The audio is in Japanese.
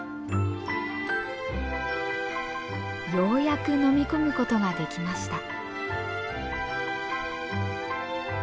ようやく飲み込むことができました。